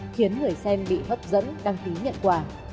khiến người xem bị hấp dẫn đăng ký nhận quà